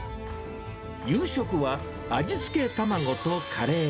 夕食は味付け卵とカレー。